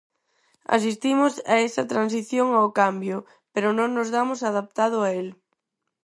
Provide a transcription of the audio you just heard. Asistimos a esa transición ao cambio, pero non nos damos adaptado a el.